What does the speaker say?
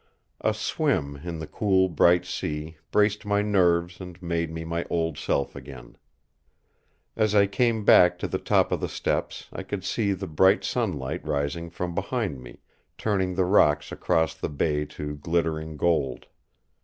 A swim in the cool bright sea braced my nerves and made me my old self again. As I came back to the top of the steps I could see the bright sunlight, rising from behind me, turning the rocks across the bay to glittering gold.